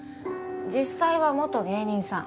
実際は元芸人さん。